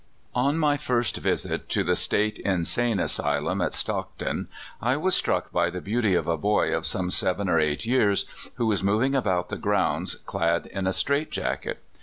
ON my first visit to the State Insane Asy lum, at Stockton, I was struck by the beauty of a boy of some seven or eight years, who was moving about the grounds clad in a strait jacket.